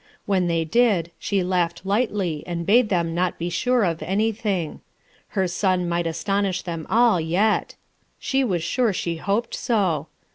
\Yh cn they did, she laughed lightly and bade them not be sure of anything. Her son might aston ish them all, yet. She was sure she hoped so.